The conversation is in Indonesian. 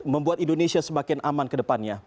membuat indonesia semakin aman kedepannya